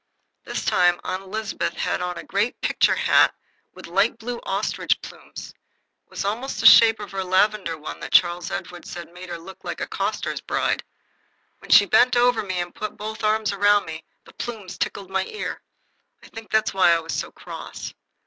This time Aunt Elizabeth had on a great picture hat with light blue ostrich plumes; it was almost the shape of her lavender one that Charles Edward said made her look like a coster's bride. When she bent over me and put both arms around me the plumes tickled my ear. I think that was why I was so cross.